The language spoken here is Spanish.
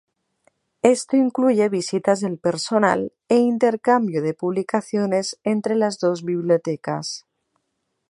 Esto incluye visitas del personal e intercambio de publicaciones entre las dos bibliotecas.